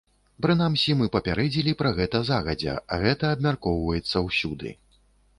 Прынамсі мы папярэдзілі пра гэта загадзя, гэта абмяркоўваецца ўсюды.